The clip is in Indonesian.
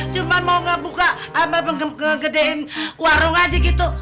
cuma mau ngebuka ngegedein warung aja gitu